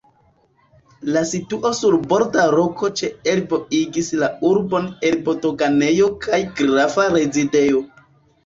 La situo sur borda roko ĉe Elbo igis la urbon Elbo-doganejo kaj grafa rezidejo.